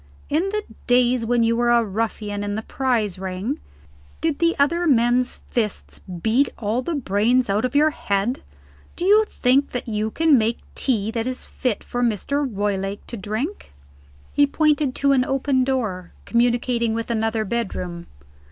"In the days when you were a ruffian in the prize ring, did the other men's fists beat all the brains out of your head? Do you think you can make tea that is fit for Mr. Roylake to drink?" He pointed to an open door, communicating with another bedroom.